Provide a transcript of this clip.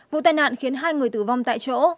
vụ tai nạn khiến hai người tử vong tại chỗ